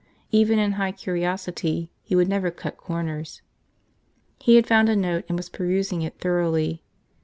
Even in high curiosity, he would never cut corners. He had found a note and was perusing it thoroughly.